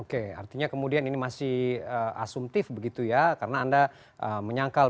oke artinya kemudian ini masih asumtif begitu ya karena anda menyangkal